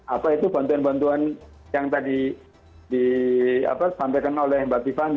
apa itu bantuan bantuan yang tadi disampaikan oleh mbak tiffany